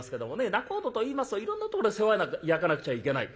仲人といいますといろんなところで世話焼かなくちゃいけない。